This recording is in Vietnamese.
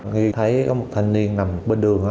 nghe thấy có một thanh niên nằm bên đường